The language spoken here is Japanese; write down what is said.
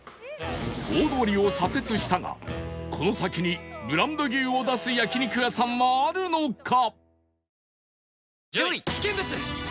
大通りを左折したがこの先にブランド牛を出す焼肉屋さんはあるのか？